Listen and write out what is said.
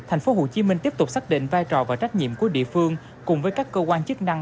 tp hcm tiếp tục xác định vai trò và trách nhiệm của địa phương cùng với các cơ quan chức năng